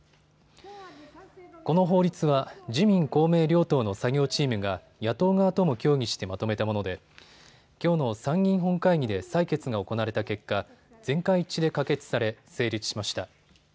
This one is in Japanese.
この法律は自民公明両党の作業チームが野党側とも協議してまとめたもので、きょうの参議院本会議で採決が行われた結果、全会一致で可決され成立しました。